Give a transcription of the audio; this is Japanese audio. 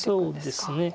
そうですね。